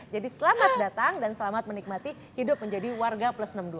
jadi selamat datang dan selamat menikmati hidup menjadi warga plus enam puluh dua